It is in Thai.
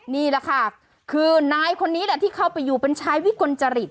นี่แหละค่ะคือนายคนนี้แหละที่เข้าไปอยู่เป็นชายวิกลจริต